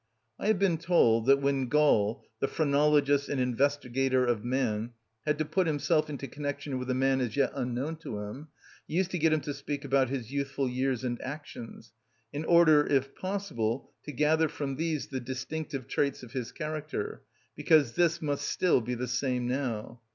I have been told that when Gall, the phrenologist and investigator of man, had to put himself into connection with a man as yet unknown to him, he used to get him to speak about his youthful years and actions, in order, if possible, to gather from these the distinctive traits of his character; because this must still be the same now.